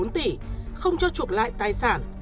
một mươi bốn tỷ không cho chuộc lại tài sản